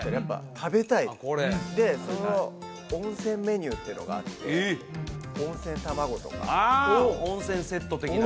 食べたい？でその温泉メニューっていうのがあって温泉卵とかあ温泉セット的な？